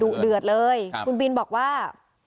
เดือดเลยคุณบินบอกว่า